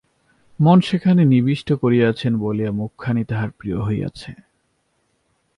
মন সেখানে নিবিষ্ট করিয়াছেন বলিয়াই মুখখানি তাঁহার প্রিয় হইয়াছে।